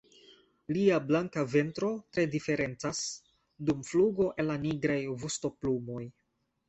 Lia blanka ventro tre diferencas dum flugo el la nigraj vostoplumoj.